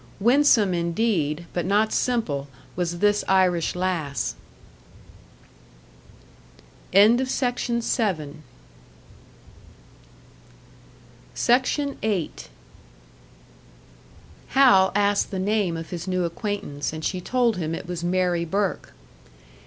Winsome indeed, but not simple, was this Irish lass! SECTION 8. Hal asked the name of his new acquaintance, and she told him it was Mary Burke.